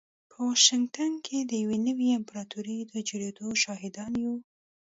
په واشنګټن کې د يوې نوې امپراتورۍ د جوړېدو شاهدان يو.